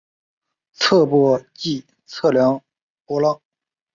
测波即测量波浪。